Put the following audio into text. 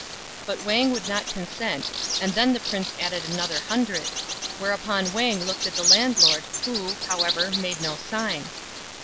But Wang would not consent, and then the prince added another hundred ; whereupon Wang looked at the landlord, who, however, made no sign.